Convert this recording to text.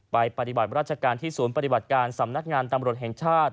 ปฏิบัติราชการที่ศูนย์ปฏิบัติการสำนักงานตำรวจแห่งชาติ